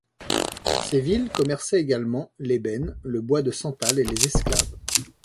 Ces villes commerçaient également l'ébène, le bois de santal et les esclaves.